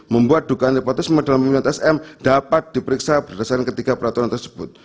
membuat dugaan nepotisme dalam peminat sm dapat diperiksa berdasarkan ketiga peraturan tersebut